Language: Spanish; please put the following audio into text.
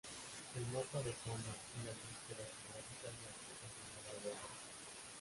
El mapa de fondo y las búsquedas geográficas las proporcionaba Google.